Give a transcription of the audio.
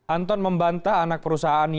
anton membantah anak perusahaannya